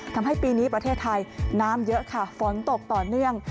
ทำให้ปีนี้ประเทศไทยน้ำเยอะค่ะฝนตกต่อเนื่อง